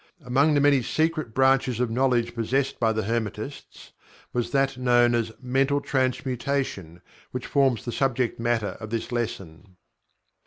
Among the many secret branches of knowledge possessed by the Hermetists, was that known as Mental Transmutation, which forms the subject matter of this lesson.